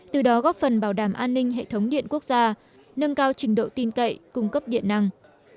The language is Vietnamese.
từ đó góp phần bảo đảm an ninh hệ thống điện quốc gia nâng cao trình độ tin cậy cung cấp điện năng